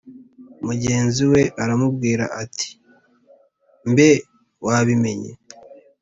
mugenzi we aramubwira ati"mbe wabimenye?"